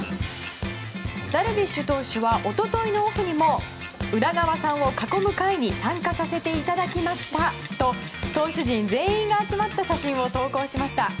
ダルビッシュ投手は一昨日のオフにも宇田川さんを囲む会に参加させていただきましたと投手陣全員が集まった写真を投稿しました。